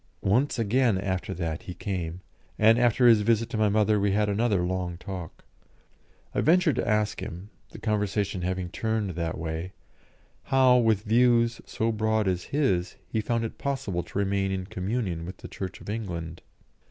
Once again after that he came, and after his visit to my mother we had another long talk. I ventured to ask him, the conversation having turned that way, how, with views so broad as his, he found it possible to remain in communion with the Church of England.